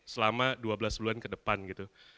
selama dua belas bulan ke depan gitu